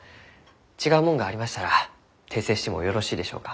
違うもんがありましたら訂正してもよろしいでしょうか？